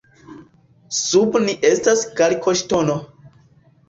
Sub ni estas kalkoŝtono.